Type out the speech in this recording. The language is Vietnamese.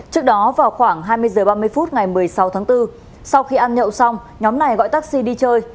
trước đó vào khoảng hai mươi h ba mươi phút ngày một mươi sáu tháng bốn sau khi ăn nhậu xong nhóm này gọi taxi đi chơi